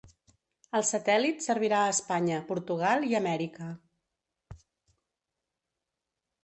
El satèl·lit servirà a Espanya, Portugal i Amèrica.